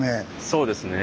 そうですね。